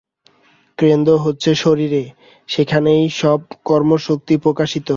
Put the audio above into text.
কেন্দ্র হচ্ছে শরীরে, সেখানেই সব কর্মশক্তি প্রকাশিত।